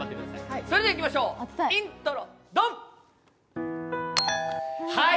それではいきましょう、イントロドン！